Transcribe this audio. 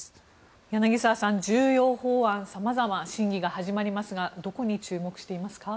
柳澤さん、重要法案様々審議が始まりますがどこに注目していますか。